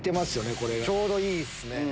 ちょうどいいっすね。